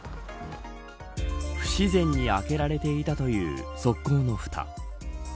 不自然に開けられていたという側溝のふた。